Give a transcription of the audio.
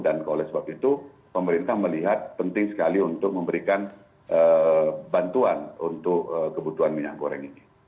dan oleh sebab itu pemerintah melihat penting sekali untuk memberikan bantuan untuk kebutuhan minyak goreng ini